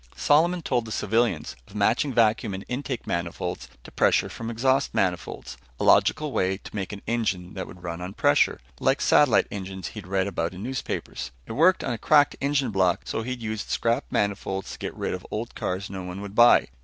Solomon told the civilians of matching vacuum in intake manifolds to pressure from exhaust manifolds. A logical way to make an engine that would run on pressure, like satellite engines he'd read about in newspapers. It worked on a cracked engine block, so he'd used scrap manifolds to get rid of old cars no one would buy.